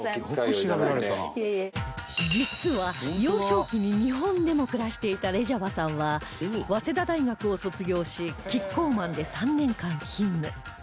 実は幼少期に日本でも暮らしていたレジャバさんは早稲田大学を卒業しキッコーマンで３年間勤務